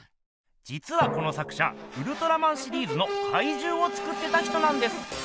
じつはこの作者ウルトラマンシリーズのかいじゅうを作ってた人なんです。